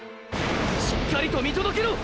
しっかりと見届けろ！！